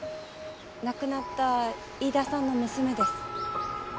亡くなった飯田さんの娘です。